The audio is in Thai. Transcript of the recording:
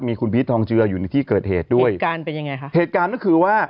มีคุณพีชทองเจืออยู่ในที่เกิดเหตุด้วยเหตุการณ์เป็นยังไงคะเหตุการณ์ก็คือว่า